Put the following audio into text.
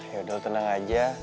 ya udah lo tenang aja